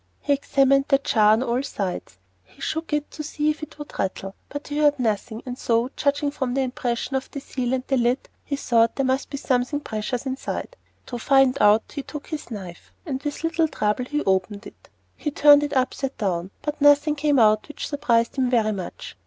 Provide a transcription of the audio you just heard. He examined the jar on all sides; he shook it to see if it would rattle. But he heard nothing, and so, judging from the impression of the seal and the lid, he thought there must be something precious inside. To find out, he took his knife, and with a little trouble he opened it. He turned it upside down, but nothing came out, which surprised him very much.